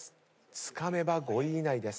つかめば５位以内です。